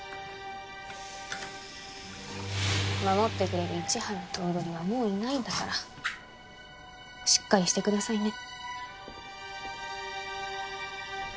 守ってくれる一原頭取はもういないんだからしっかりしてくださいね。